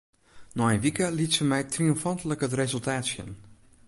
Nei in wike liet se my triomfantlik it resultaat sjen.